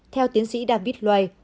theo tiến sĩ david lloyd